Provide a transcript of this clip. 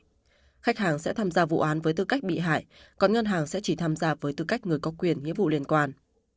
nhưng khách hàng sẽ tham gia vụ án với tư cách bị hại còn ngân hàng sẽ chỉ tham gia với tư cách người có quyền nghĩa vụ liên quan